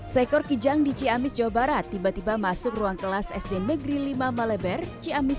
seekor kijang di ciamis jawa barat tiba tiba masuk ruang kelas sd negeri lima maleber ciamis